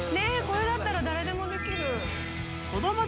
これだったら誰でもできる。